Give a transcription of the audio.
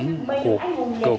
đã tổ chức